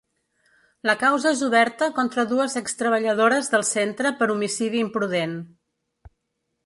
La causa és oberta contra dues ex-treballadores del centre per homicidi imprudent.